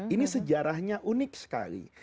ini sejarahnya unik sekali